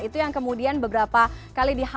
itu yang kemudian beberapa kali dihadapi